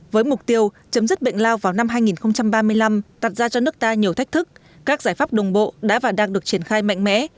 với mục tiêu chấm dứt bệnh lao vào năm hai nghìn ba mươi năm đặt ra cho nước ta nhiều thách thức các giải pháp đồng bộ đã và đang được triển khai mạnh mẽ